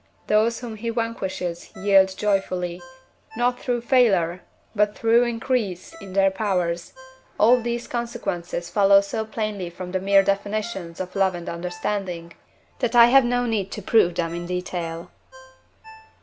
Those whom he vanquishes yield joyfully, not through failure, but through increase in their powers; all these consequences follow so plainly from the mere definitions of love and understanding, that I have no need to prove them in detail.